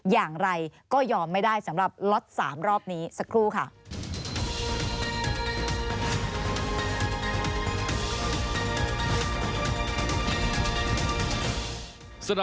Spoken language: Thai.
อย่างไรก็ยอมไม่ได้สำหรับล็อต๓รอบนี้สักครู่ค่ะ